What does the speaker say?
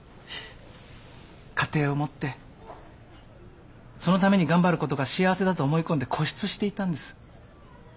家庭を持ってそのために頑張ることが幸せだと思い込んで固執していたんです。